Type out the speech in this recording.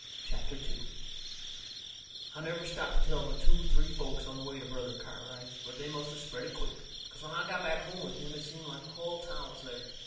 CHAPTER II I never stopped to tell but two, three folks on the way to Brother Cartwright's, but they must of spread it quick. 'Cause when I got back home with him it seemed like the hull town was there.